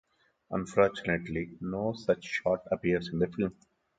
Unfortunately, no such shot appears in the film.